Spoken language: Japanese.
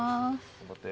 頑張って。